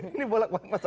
ini bolak balik pak saba